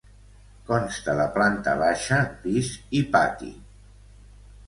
Consta de planta baixa, pis i pati.